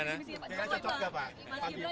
jangan cocok enggak pak